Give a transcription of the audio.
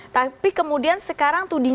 tapi kemudian sekarang tudingan